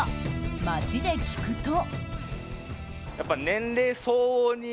街で聞くと。